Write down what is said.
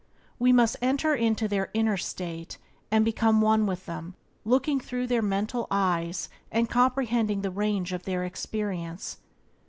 We must enter into their inner state and become one with them, looking through their mental eyes and comprehending the range of their experience.